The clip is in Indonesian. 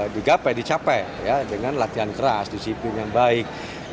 digapai dicapai dengan latihan keras disiplin yang baik